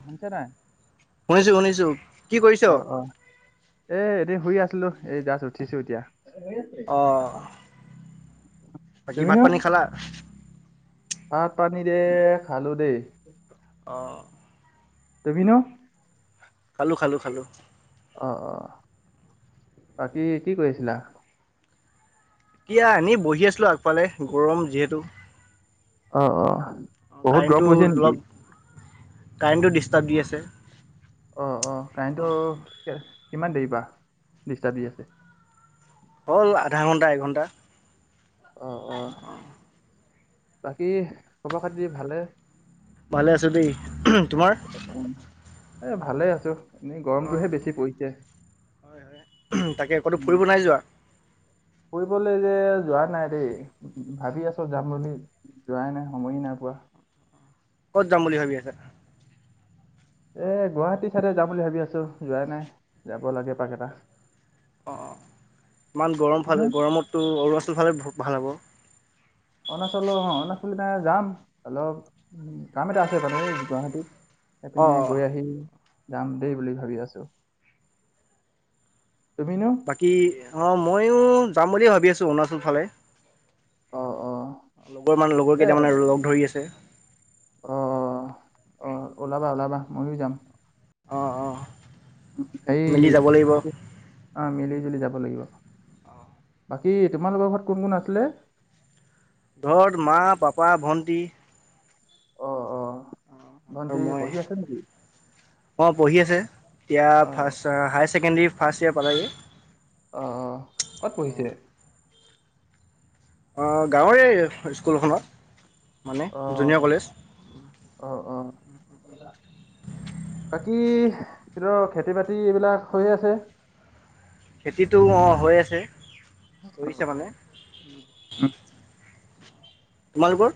আছে ন শুনিছো শুনিছো কি কৰিছ অ অ এ এনে শুই আছ ঠিলো এই জাছ উঠিছো এতিয়া। অ বাকী ভাত দেবনা পানী খালা ভাত পানী দে খালো দেই অ তুমি নো খালো খালো খালো অ অ বাকী কি কৰিছিলা? এতিয়া আনি বহি আছিলোঁ আগফালে গৰম যিহেতু অ অ বহুত গৰম কাৰেণ্টটো পৰিছে নেকি? অলপ কাৰেণ্টটো ডিষ্টাৰ্ব দি আছে অ অ কাৰেণ্টটো কিমান দেৰি পা ডিষ্টাৰ্ব দি আছে হ'ল আধা ঘণ্টা এঘণ্টা অ বাকী খবৰ খাতি ভালে ভালে আছো দেই তোমাৰ এ ভালে আছো এনেই অ গৰমটোহে বেছি পৰিছে হয় হয় তাকে ক'তো ফুৰিব নাই যোৱা কৰিবলৈ যে যোৱা নাই দেই ভাবি আছো যাম বুলি যোৱাই নাই সময় নাই পোৱা ক'ত যাম বুলি ভাবি আছা? এ গুৱাহাটী চাইডে যাম বুলি ভাবি আছো যোৱাই নাই যাব লাগে পাক এটা অঁ অঁ ইমান গৰম তুমিনো ফালে গৰমতো অৰুণাচল ফালে ভাল হ'ব অৰুণাচল অ অৰুণাচল এ যাম অলপ উ কাম এটা আছে মানে গুৱাহাটী অ সেইপিনে অ গৈ আহি যাম দেই বুলি ভাবি আছো তুমিনো বাকী অ ময়ো যাম বুলিয়ে ভাবি আছো অৰুণাচল ফালে অ অ লগৰ মানে লগৰ কেইটামানে লগ ধৰি আছে আহ আহ ওলাবা ওলাবা ময়ো যাম অঁ অঁ এই অঁ মিলি জুলি যাব লাগিব বাকী তোমালোকৰ ঘৰত কোন কোন আছিলে? ঘৰত মা পাপা ভন্টি ভণ্টি পঢ়ি আছে নেকি? অঁ পঢ়ি আছে এতিয়া অ অ first year secondary first year পালেগে অহ কত পঢ়িছে? অ গাঁৱৰে স্কুলখনত মানে অ জুনিয়ৰ কলেজ অ অ বাকী খেতি বাতি এইবিলাক হৈয়ে আছে খেতিটো অ হৈ আছে কৰিছে মানে উম। তোমালোকৰ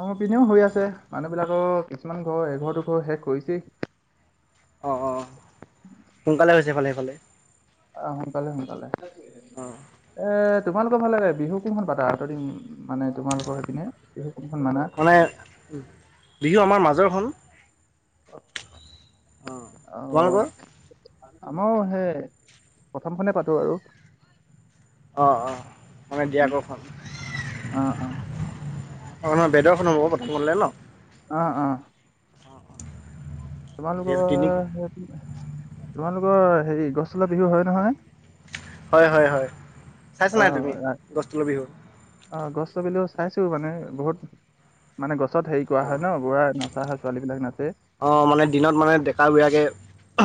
আমাৰ পিনেও হৈ আছে মানুহবিলাকৰ কিছুমান ঘৰ এঘৰ দুঘৰ শেষ কৰিছেই অঁ অঁ সোনকালে হৈছেফালে সেইফালে আহ সোনকালে সোনকালে অ এ তোমালোকৰ ফালে বিহু কোনখন পাতা তহতি মানে তোমালোকৰ সেইপিনে বিহু কোনখন মানা মানে বিহু আমাৰ মাজৰখন অ [unintelligible] অঁ তোমালোকৰ আমাৰ সেই প্ৰথমখনে পাতো আৰু অ অ মানে দিৰাক খন অ অ অ ন বেদৰখন হব প্ৰথম খন হ'লে ন অ অ যিহেতু তিনি তোমালোকৰ তোমালোকৰ হেৰি গছতলৰ বিহু হয় নহয় হয় হয় হয় চাইছা অ নাই তুমি গছ তলৰ বিহু অ গছ তলৰ বিহু চাইছো মানে বহুত মানে গছ ওচত হেৰি কৰা হয় ন বোৰা নচা হয় ছোৱালী বিলাক নাচে অ মানে দিনত মানে ডেকা বিলাকে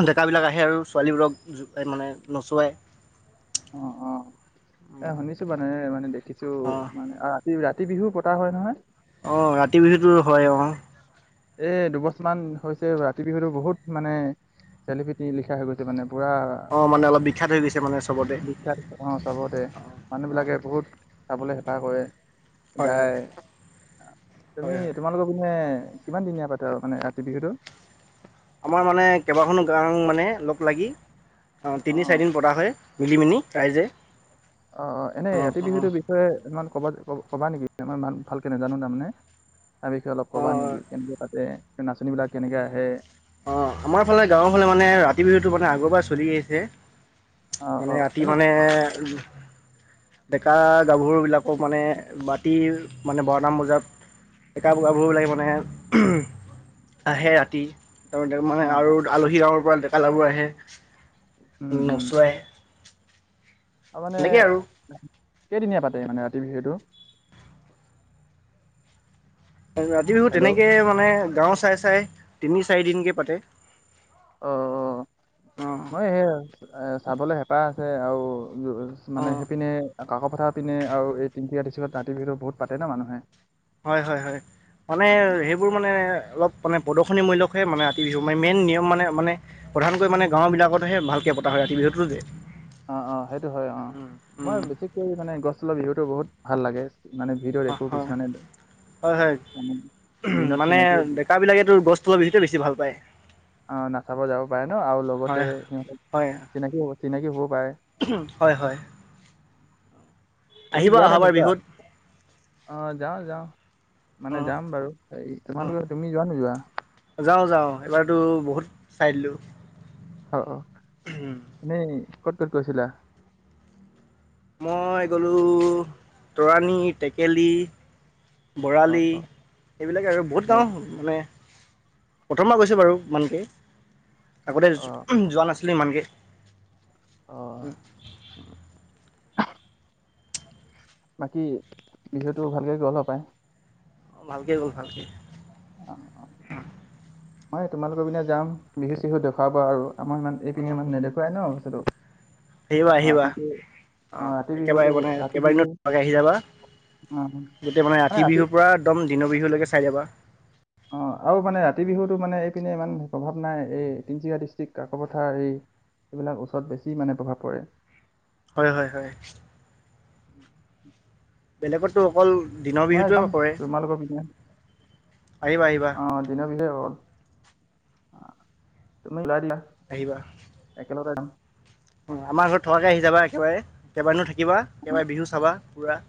ডেকাবিলাক আহে আৰু ছোৱালীবোৰক মানে নচোৱায় অ অ এ শুনিছো মানে মানে দেখিছো অঁ মানে ৰাতি ৰাতি ৰাতি বিহুও পতা হয় নহয় অ কাতি বিহুটো হয় অ এ দুবছৰমান হৈছে ৰাতি বিহুতো বহুত মানে চেলি পিটি নিলিখা হৈ গৈছে মানে পুৰা অঁ মানে অলপ বিখ্যাত হৈ গৈছে মানে চবতে বিখ্যাত চবতে অঁ অঁ মানুহবিলাকে বহুত চাবলৈ হেঁপাহ কৰে হয় হয় যায় হয় তুমি হয় তোমালোকৰ পিনে কিমান দিনীয়া পাতে আৰু মানে ৰাতি বিহুটো আমাৰ মানে কেইবাখনো গাঙ মানে লগ লাগি অ তিনি চাৰিদিন পতা হয়। মিলি মিনি ৰাইজে অ অ এনেই অঁ ৰাতি অঁ বিহুটোৰ বিষয়ে ইমান ক'বা ক'বা নেকি মানে ভালকে নাজানো তাৰমানে তাৰ বিষয়ে অলপ ক'বা অঁ নেকি কেনেকৈ পাতে নাচনীবিলাক কেনেকে আহে অঁ আমাৰ ফালে গাঁৱৰ ফালে মানে ৰাতি বিহুটো মানে আগৰ পৰাই চলি আহিছে। অ অ মানে ৰাতি এনে মানে ডেকা গাভৰুবিলাকক মানে মাটি মানে বাৰটামান বজাত ডেকা বগাবোৰ লাগি মানে আহে ৰাতি তাৰ অ মানে অ আৰু আলহী আৰু দেকালৰাবোৰ আহে নচুৱাই। তাৰ মমানে তেনেকে আৰু কেইদিনীয়া পাতে মানে ৰাতি বিহুটো। ৰাতি বিহু হেল্ল' তেনেকৈ মানে গাঁও চাই চাই তিনি চাৰিদিনকৈ পাতে। অ অ অঁ মই সে চাবলৈ হেঁপাহ আছে আৰু। উ মানে অঁ সেইপিনে কষ পথা পিনে আৰু এই তিনিকি আতিছিলত দাঁতি বিহুো বহুত পাতে ন মানুহে। হয় হয় হয় মানে সেইবোৰ মানে। অলপ মানে প্ৰদশনীমূল্যহে মানে আতি বিহু মানে মেইন নিয়ম মানে মানে প্ৰধানকৈ মানে গাঁওবিলাকতহে ভালকে। পতা হয় ৰাতি বিহুটো যে। অ অ সেইটো হয় অ মই বিষেকৈ মানে গছ তলৰ বিহুতটো বহুত ভাল লাগে। মানে ভিতৰত হয় একো হয় কিছুমানে। হয় হয় মানে দিনত মানে চিনাকি ডেকা বিলাকে তো গছ তলৰ বিহুতোহে বেছি ভাল পায়। অ নচাব যাব পাৰে ন আৰু লগতে হয় সিহঁত হয় চিনাকি চিনাকি হব পাৰে। হয় হয় আহিব অহাবাৰ বিহুত। আহ যাওঁ যাওঁ মানে অ', যাম বাৰু হে তোমালোকে তুমি যোৱা নো যোৱা। যাওঁ যাওঁ এইবাৰতো বহুত চাই দিলোঁ। অ অ এনেই ক'ত ক'ত গৈছিলা? মই গ'লোঁ তৰাণী টেকেলি। অ', বৰালি এইবিলাক আৰু বহুত অ', গাওঁ মানে। প্ৰথম পৰা গৈছে বাৰু ইমানকে আগতে অ', যোৱা নাছিল? কেলে অ। ইমানক উম। বাকী বিষয়টো ভালেই গল পায়। অ ভালকে গ'ল ভালকে। মই তোমালোকৰ পিনে যাম বিহু চিহু দেখুৱাবা আৰু আমাৰ ইমান এই পিনে অ', ইানে নেদেখুৱাই ন বস্তুটো। আহিবা আহিবা ৰাতিটো অ অ', ৰাতি বিহুটো একেবাৰে মানে ৰাতি বিহু কেইবাৰিনতমাকে আহি যাবা। অ', গোটেই মানে ৰাতি বিহুৰ পৰা একদম দিনৰ বিহুলৈকে চাই যাবা। অঁ আৰু মানে ৰাতি বিহুতো মানে এইপিনে ইমান প্ৰভাৱ নাই এই তিনিচুকীয়া ডিষ্ট্ৰিক্ কাকপথাৰ এই। এইবিলাক ওচৰত বেছি মানে প্ৰভাৱ পৰে। হয় হয় হয় উ বেলেগতো অকল। দিনৰ মই যাম বিহুটোৱে কৰে তোমালোকৰ পিনে আহিবা আহিবা আহ দিনৰ বিধে হ'ল। তুমি উলাই দিলা। আহিবা। আমাৰ ঘৰত থকাকে আহি যাবা একেবাৰে কেইবাদিনো থাকিবা একেবাৰে বিহু চাবা পুৰা।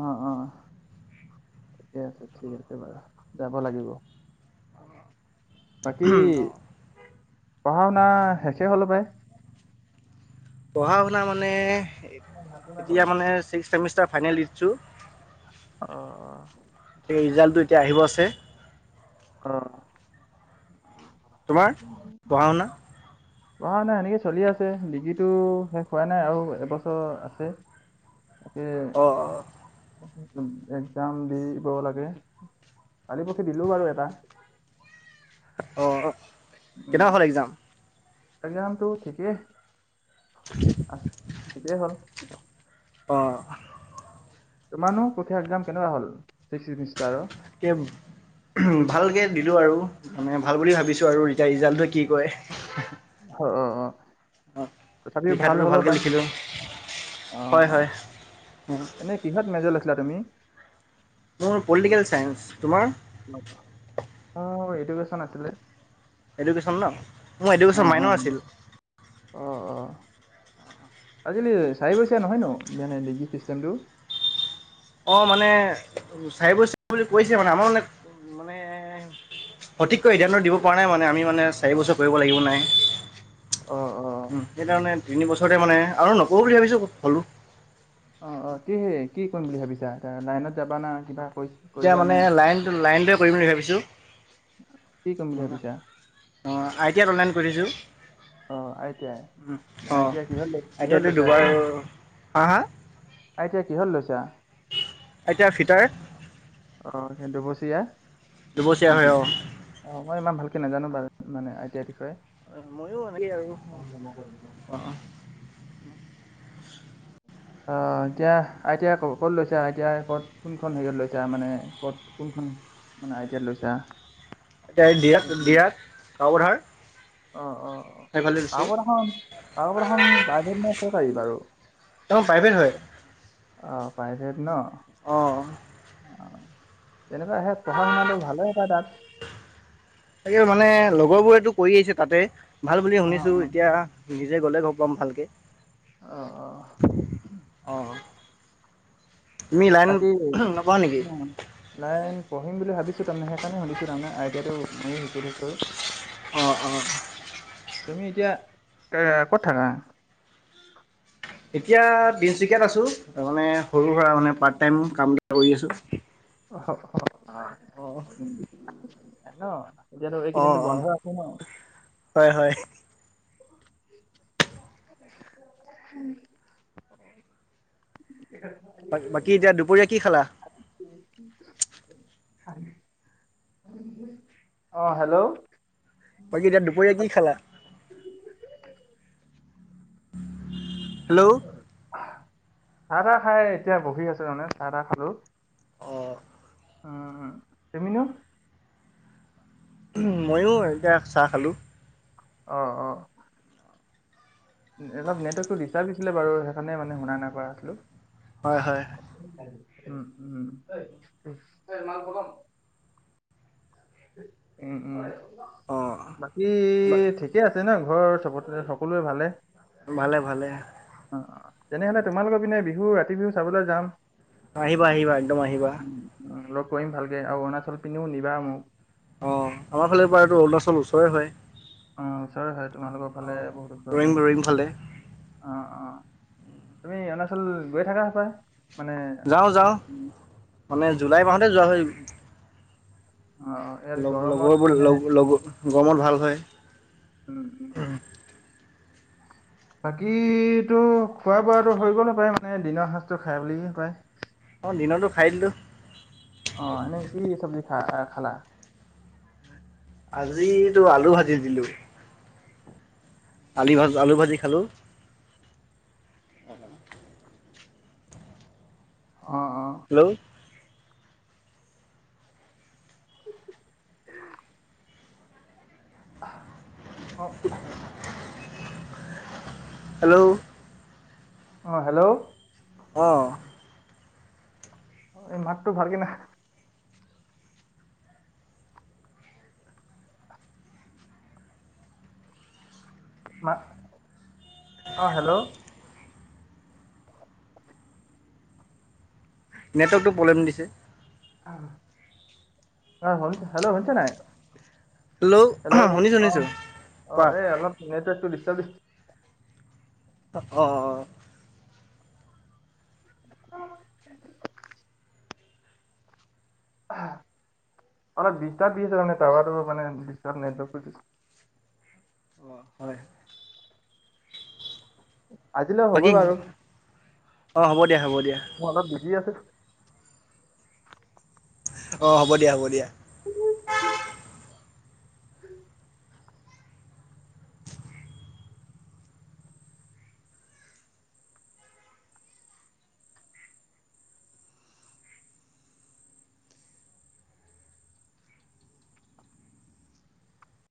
অঁ অঁ ঠিকে আছে ঠিক আছে বাৰু যাব লাগিব? বাকী অঁ পঢ়া শুনা শেষে হল হপাই। পঢ়া শুনা মানে এতিয়া মানে্সমষ্টাৰ ফাইনেল দিছো। অ'। এ ৰিজাল্টটো এতিয়া আহিব আছে? অ তোমাৰ পঢ়া শুনা। পঢ়া শুনা সেনেকে চলি আছে ডিগ্ৰীটো শেষ হোৱা নাই আৰু এবছৰ আছে। তাকে অঁ অঁ এক্জাম দিব লাগে। কালি পকী দিলোঁ বাৰু এটা। অ কেনেকা হ'ল এক্জাম। এক্ৰামতটো ঠিকেই আ ঠিকেই হ'ল। অ তোমাৰ নো কঠিয়া এক্জাম কেনেকুৱা হ'ল ছিক্সমিষ্টাৰৰ? কেম উ ভালকে দিলো আৰু মানে ভাল বুলি ভাবিছো আৰু ৰিজাল্টে কি কৰে। অ অ অ অঁ তথাপিও ভাল লিখাটোতো হ'লেও ভালকৈ পায় লিখিলোঁ অ হয় অ হয় এনেই কিহত মেজৰ লৈছিলা তুমি। মোৰ পলিটিকেল চায়ন্ঞ্চ। অ এডুকেচন আছিলে। এডকেশ্বন ন মোৰ এডুকেশ্বন অ', অ', মাইনৰ আছিল। আজি চাই বৈচিয়া নহয় ন মানে লেগি চিষ্টেমটো অ মানে চাই ব বুলি কৈছে মানে আমাৰ মানে মানে সঠিককৈ সিদ্ধান্ত দিব পৰা নাই মানে আমি মানে চাৰি বছৰ কৰিব লাগিব নাই অ অ সেইকাৰণে তিন বছৰতে মানে আৰু নকৰওঁঁ বুলি ভাবিছোঁ হ'লো অ অ কি হে কি কৰিম বুলি ভাবিছা এ লাইনত যাবা না কিবা কৰি এতিয়া কৰিবা মানে নে লাইন লাইনটোৱে কৰিম বুলি ভাবিছো কি কৰিম বুলি ভাবিছা অঁ আইটিয়াত অনলাইন কৰি দিছোঁ অ আই টি আই উ অ আই টি আই কিহত লৈছা কিহত এতিয়াতো দুবাৰ হা হা আইতিয়া কি হলত লৈছা এতিয়া ফিটাৰ অ সেই দুবছৰীয়া দুবছৰীয়া হয় নেকি অঁ অ মই ইমান ভাল নাজানো বাৰুঁ মানে আইটিয়া বিষয়ে অ ময়ো এনেকেই আৰু অ অ [unintelligible] আহ এতিয়া আইতাই ক'ত লৈছো আইতাই ক'ত কোনখন হেৰিয়ত লৈছো মানে ক'ত কোনখন মানে আইতিয়া লৈছা এয়া দিৰাক দিৰাক কাপথাৰ অ অ অ কাকপথাৰ খন কাকপথাৰ খন ৰ্প্ৰা ইভেট নে চৰকাৰী বাৰু তেওঁ প্ৰাইভেট হয় অ ৰ্প্ৰাইভেড ন। অঁ অ তেনেকুৱা আহে পঢ়া শুনাটো ভালে পায় তাত। তাকে মানে লগৰ বোৰেতটো কৰি আহিছে তাতে ভাল বুলি অ শুনিছো অ এতিয়া। নিজে গ'লে গ পাম ভালকে। অহ অহ। অ। বাকী লাইন। পঢ়ম বুলি ভাবছো তাৰমানে হেইকানে শুনিছো তাৰমানে আইটিয়াটো মই শিকি থছোঁ। অঁ অঁ। তুমি এতিয়া এ ক'ত থাকা। এতিয়া তিনিচুকীয়াত আছোঁ তাৰ মানে সৰু সুৰা মানে পাৰ্ট টাইম কাম বিলাক কৰি আছোঁ। অঁ ন। এতিয়াতো অঁ এইকেইদিনো অঁ বন্ধ আছে ন। হয় হয় হুম। বাকী এতিয়া দুপৰীয়া কি খেলা। অ হেল্ল'। বাকী এতিয়া দুপৰীয়া কি খেলা। হেল্ল'। চাহ তাহ খাই এতিয়া বহি আছে মানে চাহ তাহ খালো। অ। উ তুমি নো। ময়ো এতিয়া চাহ খালো। অ অ। এলপ নেটৱৰ্কটো ডিষ্টাপ দিছিলে বাৰু সেইকানে মানে শুনা নাই কৰা আছিলো। হয় হয় উম উম মাল প্ৰথম। উম উম। অঁ বাকী ঠিকেই আছে ন ঘৰ চবতে সকলোৱে ভালে। ভালে ভালে। অ', অ', তেনেহ'লে তোমালোকৰ পিনে বিহু ৰাতি বিহু চাবলৈ যাম। আহিবা আহিবা একদম আহিবা। উম, উম, লগ কৰিম ভালকে আৰু অৰুণাচল পিনেও নিবা মোক। অ আমাৰ ফালে পৰা এইটো অৰুণাচলৰ ওচৰৰে হয়। অ ওচৰৰে হয়। তোমালোকৰ ফালে অ বহুত ওচৰ হয়। ৰইম ৰইম ফালে। অ', অ তুমি অৰুণাচল গৈ থাকা হপাই মানে। যাওঁ যাওঁ মানে জুলাই মাহতে যোৱা হয়। অ', ইয়াত গৰমত লগৰবোৰ মানে লগ গৰমত ভাল হয়। উম উম। বাকীটো খোৱা বোৱাটো হৈ গ'ল হপাই মানে দিনৰ সাঁজটো খাই বুলি কৈ। দিনতো খাই দিলোঁ। অ এনে কি চব্জি খা খালা। আজি আলু ভাজি দিলো। আলি ভাজ আলু ভাজি খালো। অ। অ অ হেল্ল'। অ [unintelligible] হেল্ল'। অ হেল্ল'। অ। এই মাতটো ভাল কে নাই অ হেল্ল' নেটৱৰ্কটো প্ৰব্লেম দিছে। অ হেল্ল' শুনিছ নাই? হেল্ল' শুনিছোঁ অ শুনিছোঁ অ কোৱা এই অলপ নেটৱৰ্ক টো দিছতাপ দিছে। অ। [unintelligible] আহ অলপ দিছতাপ দি আছে মানে টাউৱাৰটো মানে দিছতাপ নেটৱৰ্কটো অ হয় আজিলৈ বাকী হ'বই বাৰু। অ হ'ব দিয়া হ'ব দি মই অলপ বিজি আছোঁ। অ হ'ব দিয়া হ'ব দিয়া।